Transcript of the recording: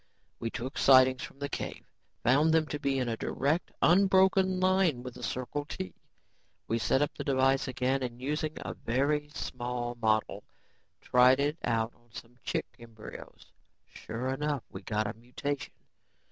We took sightings from the cave, found them to be in a direct, unbroken line with the Circle T. We set up the device again and using a very small model, tried it out on some chick embryos. Sure enough, we got a mutation.